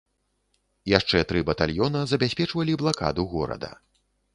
Яшчэ тры батальёна забяспечвалі блакаду горада.